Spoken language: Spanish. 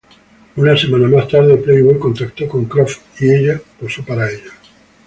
Una semana más tarde, Playboy contactó con Croft y ella posó para ellos.